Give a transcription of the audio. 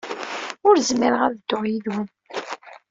Ur zmireɣ ad dduɣ yid-wen.